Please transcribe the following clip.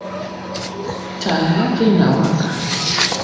Taa yake inawaka